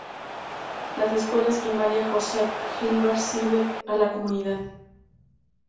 Las Escuela Primaria Joseph Gilbert sirve a la comunidad.